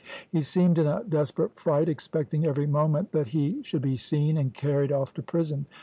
He seemed in a desperate fright, expecting every moment that he should be seen, and carried off to prison.